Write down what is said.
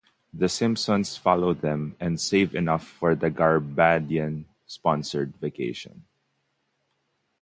The Simpsons follow them and save enough for a Garabedian-sponsored vacation.